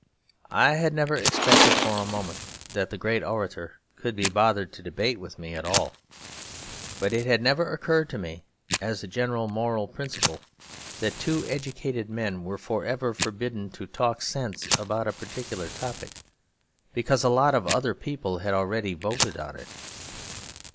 I had never expected for a moment that the great orator could be bothered to debate with me at all; but it had never occurred to me, as a general moral principle, that two educated men were for ever forbidden to talk sense about a particular topic, because a lot of other people had already voted on it.